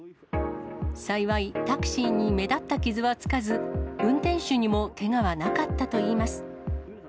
幸い、タクシーに目立った傷はつかず、運転手にもけがはなかったといいます。